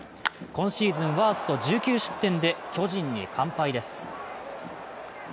今シーズンワースト１９失点で巨人に完敗です。